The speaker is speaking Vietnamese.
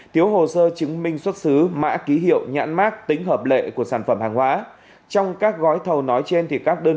thiếu hồ sơ chứng minh xuất xứ mã ký hiệu nhãn mác tính hợp lệ của sản phẩm hàng hóa